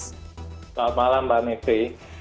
selamat malam mbak mipi